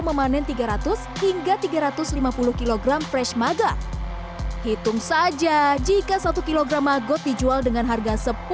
memanen tiga ratus hingga tiga ratus lima puluh kg fresh magot hitung saja jika satu kg magot dijual dengan harga